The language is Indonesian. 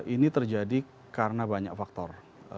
ini terjadi karena banyak faktor